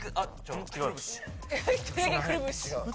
「１人だけくるぶし」